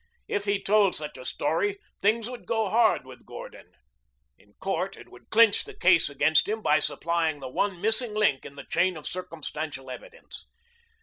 If he told such a story, things would go hard with Gordon. In court it would clinch the case against him by supplying the one missing link in the chain of circumstantial evidence.